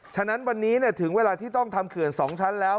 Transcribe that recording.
ฉะนั้นวันนี้ถึงเวลาที่ต้องทำเขื่อน๒ชั้นแล้ว